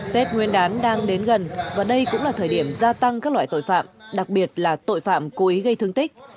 tết nguyên đán đang đến gần và đây cũng là thời điểm gia tăng các loại tội phạm đặc biệt là tội phạm cố ý gây thương tích